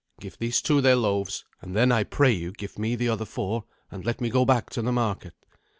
"Give these two their loaves; and then, I pray you, give me the other four, and let me go back to the market."